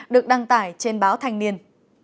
được đăng tải trên báo thành niên